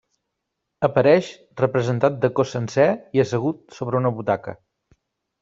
Apareix representat de cos sencer i assegut sobre una butaca.